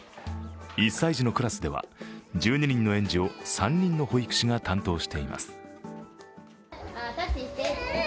１歳児のクラスでは１２人の園児を３人の保育士が担当しています。